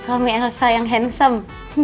suami elsa yang handsome